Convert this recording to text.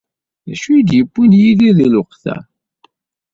D acu ay d-yewwin Yidir deg lweqt-a?